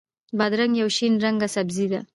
بادرنګ یو شین رنګه سبزي ده.